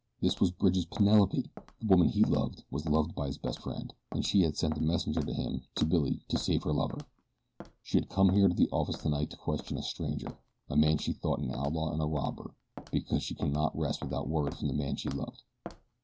This was Bridge's Penelope! The woman he loved was loved by his best friend. And she had sent a messenger to him, to Billy, to save her lover. She had come here to the office tonight to question a stranger a man she thought an outlaw and a robber because she could not rest without word from the man she loved.